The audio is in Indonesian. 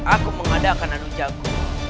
aku mengadakan anu jago